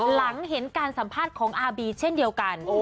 หลังเห็นการสัมภาษณ์ของอาร์บีเช่นเดียวกัน